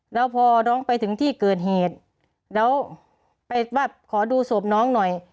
แล้วพอน้องไปถึงที่เกิดเหตุแล้วไปว่าขอดูศพน้องหน่อย